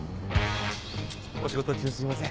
お仕事中すいません。